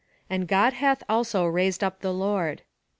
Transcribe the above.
And God hath also raised up the Lord.